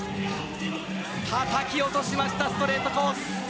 たたき落としましたストレートコース。